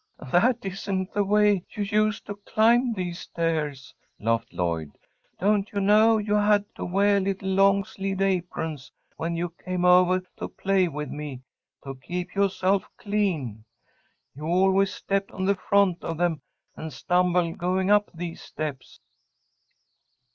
"That isn't the way you used to climb these stairs," laughed Lloyd. "Don't you know you had to weah little long sleeved aprons when you came ovah to play with me, to keep yoahself clean? You always stepped on the front of them and stumbled going up these steps."